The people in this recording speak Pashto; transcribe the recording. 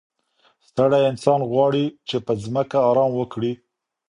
ستړی انسان غواړي چي په ځمکه ارام وکړي.